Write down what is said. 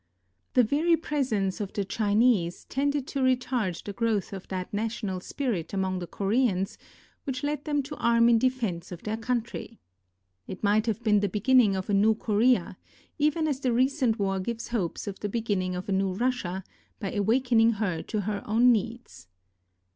The very presence of the Chinese tended to retard the growth of that national spirit among the Koreans which led them to arm in defense of their country. It might have been the beginning of a new Korea, even as the recent war gives hope of the begin ning of a new Russia, by awakening her to her own needs.